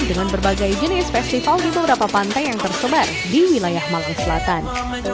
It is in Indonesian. dengan berbagai jenis festival di beberapa pantai yang tersebar di wilayah malang selatan